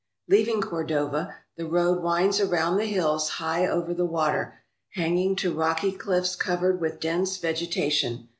Leaving Cordova, the road winds around the hills high over the water, hanging to rocky cliffs covered with dense vegetation.